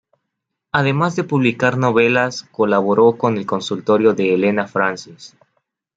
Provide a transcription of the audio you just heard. Además de publicar novelas colaboró con el Consultorio de Elena Francis.